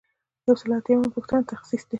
یو سل او یو اتیایمه پوښتنه تخصیص دی.